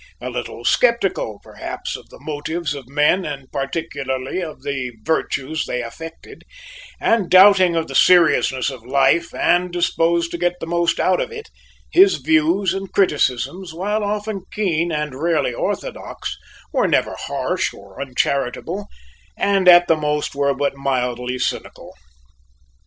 A little skeptical, perhaps, of the motives of men and particularly of the virtues they affected, and doubting of the seriousness of life and disposed to get the most out of it; his views and criticisms, while often keen and rarely orthodox, were never harsh or uncharitable, and at the most were but mildly cynical.